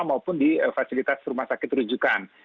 maupun di fasilitas rumah sakit rujukan